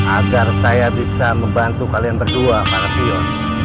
agar saya bisa membantu kalian berdua para pion